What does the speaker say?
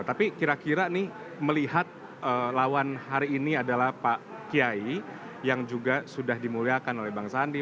tapi kira kira nih melihat lawan hari ini adalah pak kiai yang juga sudah dimuliakan oleh bang sandi